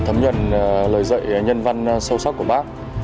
thấm nhuận lời dạy nhân văn sâu sắc của bác